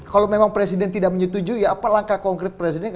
kalau memang presiden tidak menyetujui ya apa langkah konkret presiden